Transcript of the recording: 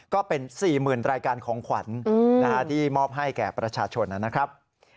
ก็เป็น๔๐๐๐รายการของขวัญที่มอบให้แก่ประชาชนนะครับ